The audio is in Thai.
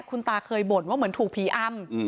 คุณตาเคยบ่นว่าเหมือนถูกผีอำ